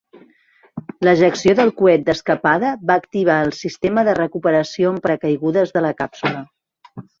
L'ejecció del coet d'escapada va activar el sistema de recuperació amb paracaigudes de la càpsula.